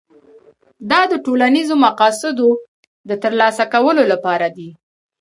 دا د ټولنیزو مقاصدو د ترلاسه کولو لپاره دي.